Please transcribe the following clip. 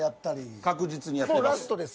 確実にやってます。